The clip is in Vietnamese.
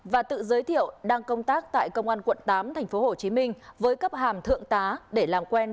và tự giới thiệu đang công tác tại công an quận tám tp hcm với cấp hàm thượng tá để làm quen